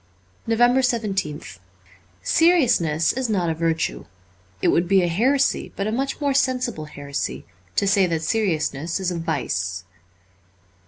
* 3S<5 NOVEMBER 17th SERIOUSNESS is not a virtue. It would be a heresy, but a much more sensible heresy, to say that seriousness is a vice.